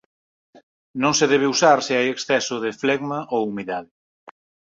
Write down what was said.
Non se debe usar se hai exceso de flegma ou humidade.